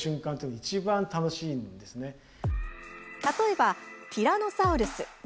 例えばティラノサウルス。